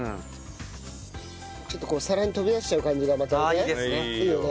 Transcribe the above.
ちょっとこう皿に飛び出しちゃう感じがまたいいよね。